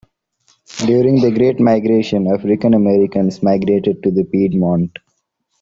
During the Great Migration, African Americans migrated to the Piedmont.